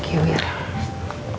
terima kasih irfan